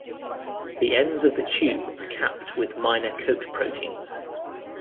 The ends of the tube are capped with minor coat proteins.